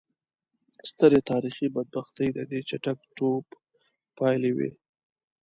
سترې تاریخي بدبختۍ د دې چټک ټوپ پایلې وې.